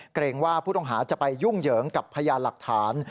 เกรงว่าผู้ต้องหาจะไปยุ่งเหยิงกับพยานหลักฐาน